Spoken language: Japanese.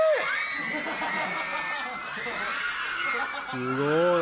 すごい！